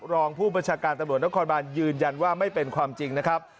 รองผู้บัญชาการตำรวจนครบานยืนยันว่าไม่เป็นความจริงนะครับ